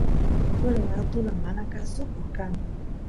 turay utula manakusuko kan